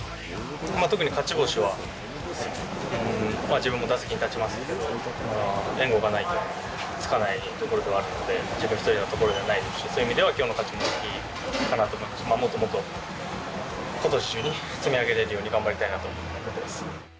特に勝ち星は自分も打席に立ちますけど、援護がないとつかないところではあるので、自分一人のところではないですし、そういう意味ではきょうの勝ちも大きいかなと思う、ことし中に積み上げられるように頑張りたいなと思っています。